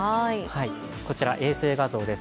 こちら、衛星画像です